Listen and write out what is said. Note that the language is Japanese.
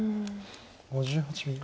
５８秒。